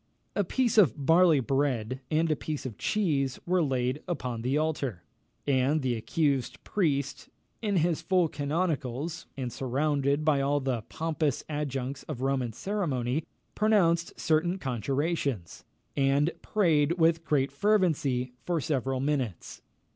A piece of barley bread and a piece of cheese were laid upon the altar, and the accused priest, in his full canonicals, and surrounded by all the pompous adjuncts of Roman ceremony, pronounced certain conjurations, and prayed with great fervency for several minutes.